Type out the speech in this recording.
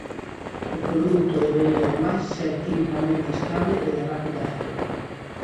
O produto debería ademais ser quimicamente estable e de rápida acción.